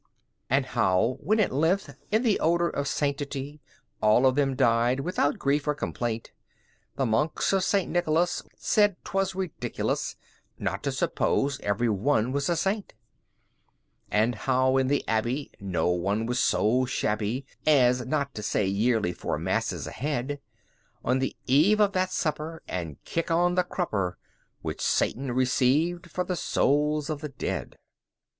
And how, when at length, in the odor of sanctity, All of them died without grief or complaint, The monks of St. Nicholas said 'twas ridiculous Not to suppose every one was a Saint. And how, in the Abbey, no one was so shabby As not to say yearly four masses ahead, On the eve of that supper, and kick on the crupper Which Satan received, for the souls of the dead!